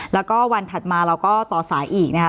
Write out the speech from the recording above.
แล้วก็วันถัดมาเราก็ต่อสายอีกนะคะ